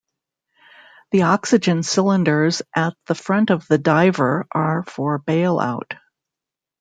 The oxygen cylinders at the front of the diver are for bailout.